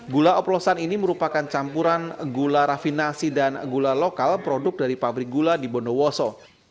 gula oplosan ini merupakan campuran gula rafinasi dan gula lokal produk dari pabrik gula di bondowoso